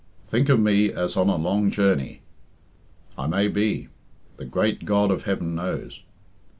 Think of me as on a long journey. I may be the Great God of heaven knows.